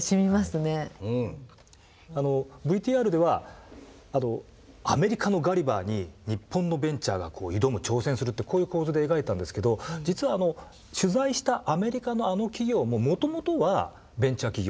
ＶＴＲではアメリカのガリバーに日本のベンチャーが挑む挑戦するってこういう構図で描いたんですけど実は取材したアメリカのあの企業ももともとはベンチャー企業。